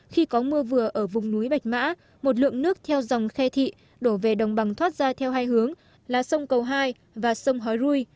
khi có mưa vừa ở vùng núi bạch mã một lượng nước theo dòng khe thị đổ về đồng bằng thoát ra theo hai hướng là sông cầu hai và sông hói rui